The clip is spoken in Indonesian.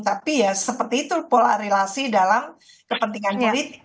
tapi ya seperti itu pola relasi dalam kepentingan politik